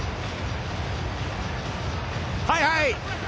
はいはい！